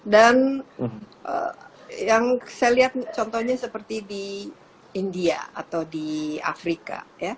dan yang saya lihat contohnya seperti di india atau di afrika